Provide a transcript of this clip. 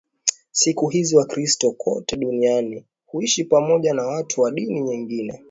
Siku hizi Wakristo kote duniani huishi pamoja na watu wa dini nyingine